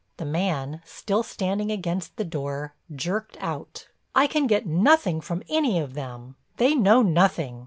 The man, still standing against the door, jerked out: "I can get nothing from any of them. They know nothing.